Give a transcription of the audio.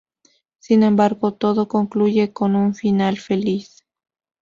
Sin embargo todo concluye con un final feliz.